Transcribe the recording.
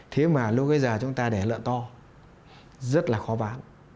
thế mà lúc bây giờ chúng ta để lợn to rất là khó bán